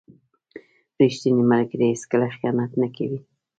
• ریښتینی ملګری هیڅکله خیانت نه کوي.